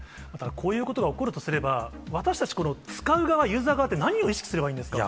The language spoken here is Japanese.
こういうことが起こるとすれば、私たち、使う側、ユーザー側って、何を意識すればいいんですか？